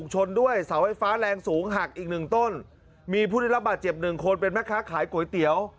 หักอีกหนึ่งต้นมีผู้ได้รับบาดเจ็บหนึ่งคนเป็นแม่ค้าขายก๋วยเตี๋ยว